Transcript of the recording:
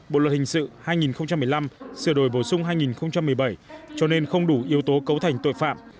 bộ luật hình sự hai nghìn một mươi năm sửa đổi bổ sung hai nghìn một mươi bảy cho nên không đủ yếu tố cấu thành tội phạm